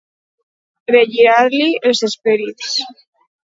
Regirar-li els esperits.